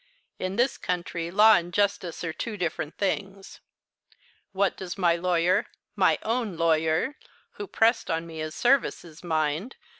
In this country law and justice are two different things. What does my lawyer my own lawyer, who pressed on me his services, mind!